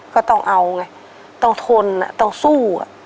ก็ต้องเอาไงต้องทนต้องสู้